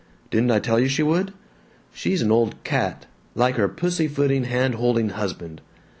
Didn't I tell you she would? She's an old cat, like her pussyfooting, hand holding husband.